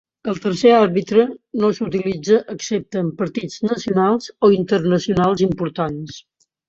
El tercer arbitre no s'utilitza excepte en partits nacionals o internacionals importants.